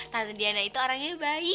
tante diana itu orangnya baik banget